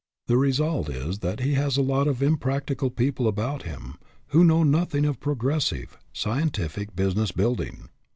The result is that he has a lot of impractical people about him who know nothing of progressive, scientific business building.